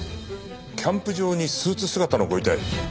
キャンプ場にスーツ姿のご遺体？